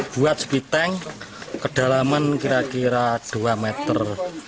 buat septic tank kedalaman kira kira dua dua puluh lima meter